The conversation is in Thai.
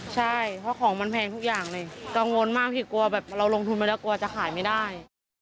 ใช่เพราะของมันแพงทุกอย่างเลยกังวลมากพี่กลัวแบบเราลงทุนไปแล้วกลัวจะขายไม่ได้